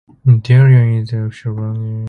Mandarin is the official language.